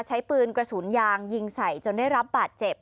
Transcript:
ใช้ปืนกระสุนยางยิงใส่จนได้รับบาดเจ็บ